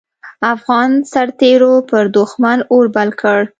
افغان سررتېرو پر دوښمن اور بل کړ.